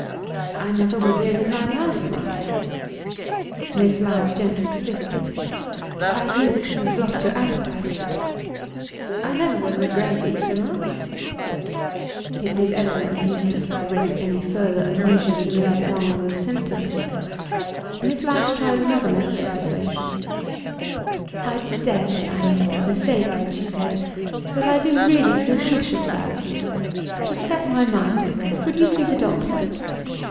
"I never was ill in my life, ma'am." Miss Ladd gently persisted. "I hear that you have lost your appetite." "I never was a great eater, ma'am." It was evidently useless to risk any further allusion to Mrs. Ellmother's symptoms. Miss Ladd tried another method of persuasion. "I daresay I may be mistaken," she said; "but I do really feel anxious about you. To set my mind at rest, will you see the doctor?"